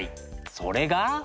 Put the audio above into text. それが。